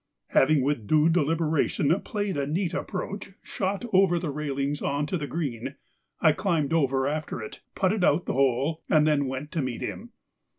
Having with due deliberation played a neat approach shot over the railings on to the green, I climbed over after it, putted out the hole, and then went to meet him.